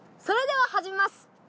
それでは始めます。